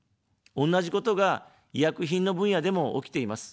同じことが、医薬品の分野でも起きています。